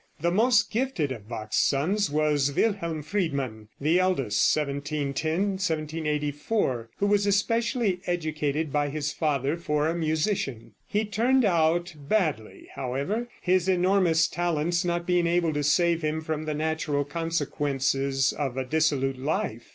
The most gifted of Bach's sons was Wilhelm Friedmann, the eldest (1710 1784), who was especially educated by his father for a musician. He turned out badly, however, his enormous talents not being able to save him from the natural consequences of a dissolute life.